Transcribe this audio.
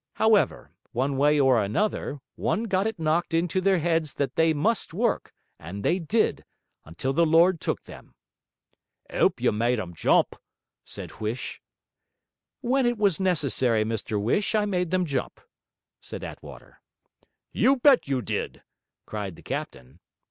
'However, one way or another, one got it knocked into their heads that they MUST work, and they DID... until the Lord took them!' ''Ope you made 'em jump,' said Huish. 'When it was necessary, Mr Whish, I made them jump,' said Attwater. 'You bet you did,' cried the captain.